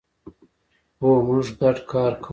هو، موږ ګډ کار کوو